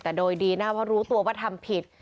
แต่โดยดีนะเพราะรู้ตัวว่าทำผิด